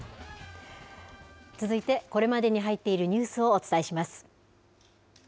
続いてこれまでに入っているニュースをお伝えします。